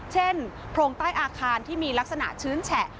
โพรงใต้อาคารที่มีลักษณะชื้นแฉะ